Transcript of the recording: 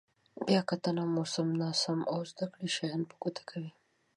بیا کتنه مو سم، ناسم او زده کړي شیان په ګوته کوي.